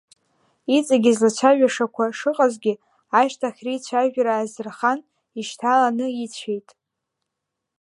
Иҵагьы излацәажәашақәа шыҟазгьы ашьҭахь реицәажәара ааздырхан, ишьҭаланы ицәеит.